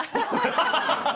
ハハハハ！